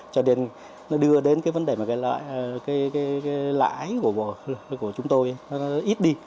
cho đến nó đưa đến cái vấn đề mà cái lãi của chúng tôi ít đi